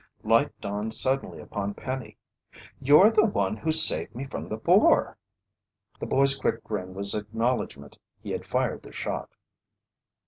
Light dawned suddenly upon Penny. "You're the one who saved me from the boar!" The boy's quick grin was acknowledgment he had fired the shot.